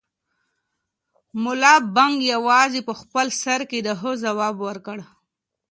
ملا بانګ یوازې په خپل سر کې د هو ځواب ورکړ.